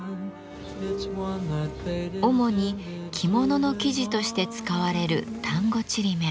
主に着物の生地として使われる丹後ちりめん。